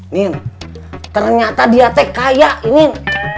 nin ternyata dia teh kaya nin